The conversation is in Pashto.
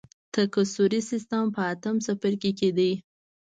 تکثري سیستم په اتم څپرکي کې دی.